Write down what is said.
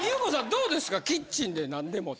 どうですかキッチンで何でもって。